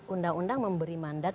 undang undang memberi mandat